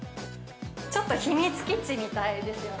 ◆ちょっと秘密基地みたいですよね。